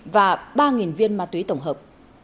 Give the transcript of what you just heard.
và ba viên ma túy tổng hợp